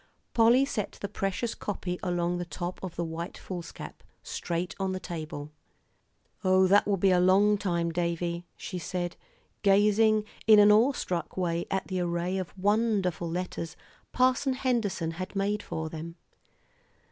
Polly set the precious copy along the top of the white foolscap, straight on the table. "Oh, that will be a long time, Davie," she said, gazing in an awe struck way at the array of wonderful letters Parson Henderson had made for them.